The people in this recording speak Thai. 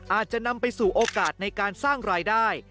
อาจจะนำไปสู่โอกาสในการสร้างรายได้